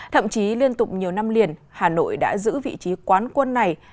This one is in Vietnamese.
thậm chí liên tục nhiều năm liền hà nội đã giữ vị trí quán quân này